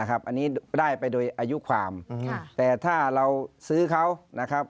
อันนี้ได้ไปโดยอายุความแต่ถ้าเราซื้อเขานะครับ